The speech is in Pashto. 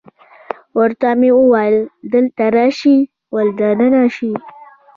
ورته مې وویل: دلته راشئ، ور دننه شئ.